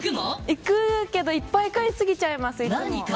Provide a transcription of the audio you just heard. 行くけどいっぱい買い過ぎちゃいます、いつも。